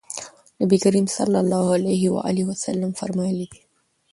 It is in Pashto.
نبي کريم صلی الله عليه وسلم فرمايلي دي: